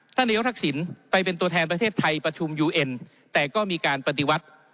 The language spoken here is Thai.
นายกทักษิณไปเป็นตัวแทนประเทศไทยประชุมยูเอ็นแต่ก็มีการปฏิวัติ